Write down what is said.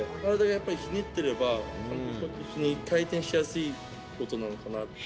やっぱりひねってれば、こうやって回転しやすいことなのかな。